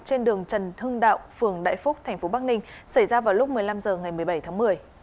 trên đường trần hưng đạo phường đại phúc tp bắc ninh xảy ra vào lúc một mươi năm h ngày một mươi bảy tháng một mươi